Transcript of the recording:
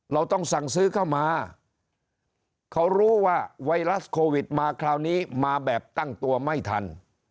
เราต้องสั่งซื้อเข้ามาเขารู้ว่าไวรัสโควิดมาคราวนี้มาแบบตั้งตัวไม่ทัน